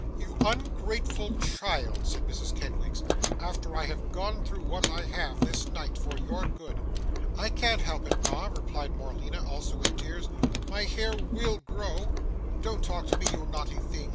'You ungrateful child!' said Mrs. Kenwigs, 'after I have gone through what I have, this night, for your good.' 'I can't help it, ma,' replied Morleena, also in tears; 'my hair WILL grow.' 'Don't talk to me, you naughty thing!